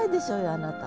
あなた。